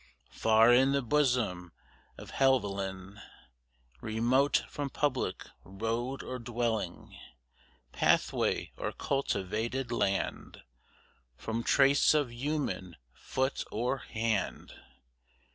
Far in the bosom of Helvellyn, Remote from public road or dwelling, Pathway, or cultivated land, From trace of human foot or hand.